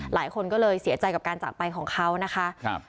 หลายคนก็เลยเสียใจกับการจากไปของเขานะคะ